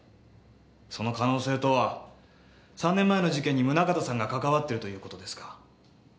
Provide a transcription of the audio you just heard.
その可能性とは３年前の事件に宗形さんが関わっているという事ですか？